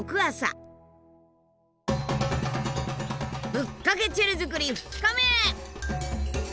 ぶっかけチェレ作り２日目！